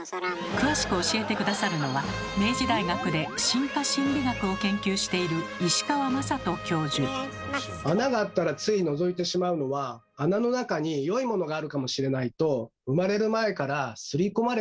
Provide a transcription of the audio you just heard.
詳しく教えて下さるのは明治大学で進化心理学を研究している穴があったらついのぞいてしまうのはこちらのかわいい猫ちゃん。